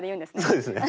そうですね。